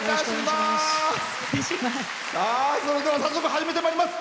それでは早速、始めてまいります。